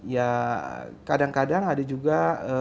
ya kadang kadang ada juga